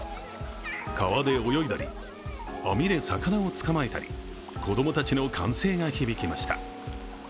川で泳いだり、網で魚を捕まえたり子供たちの歓声が響きました。